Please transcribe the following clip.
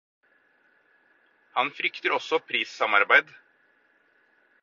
Han frykter også prissamarbeid.